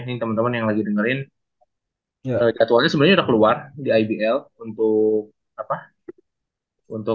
nih teman teman yang lagi dengerin jadwalnya sebenarnya udah keluar di ibl untuk apa untuk